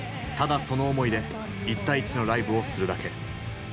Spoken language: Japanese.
ただその思いで一対一のライブをするだけ。